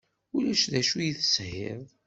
Ulac d acu i teshiḍ?